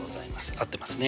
合ってますね。